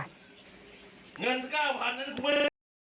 เงิน๑๙๐๐๐บาทฉันไม่ได้